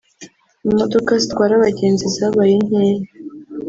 Imodoka zitwara abagenzi zabaye nkeya